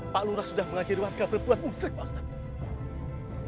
pak lura sudah mengakhiri warga perempuan musik pak ustadz